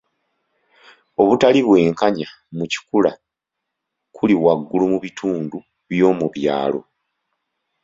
Obutali bwenkanya mu kikula kuli waggulu mu bitundu by'omu byalo.